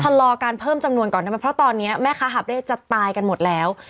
ชะลอการเพิ่มจำนวนก่อนได้ไหมเพราะตอนนี้แม่ค้าหาบเร่จะตายกันหมดแล้ว